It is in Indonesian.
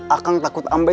akang takut ambein